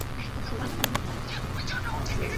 কী খবর, মামা?